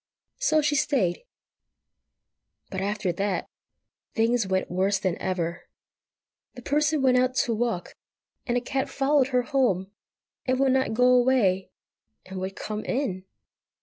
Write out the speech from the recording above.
So she stayed. But after that, things went worse than ever. The Person went out to walk, and a cat followed her home, and would not go away, and would come in!